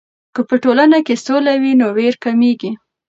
که په ټولنه کې سوله وي، نو ویر کمېږي.